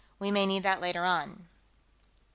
We may need that, later on." XV.